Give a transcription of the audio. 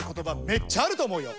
めっちゃあると思うよ。